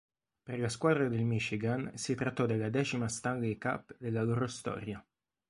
Per la squadra del Michigan si trattò della decima Stanley Cup della loro storia.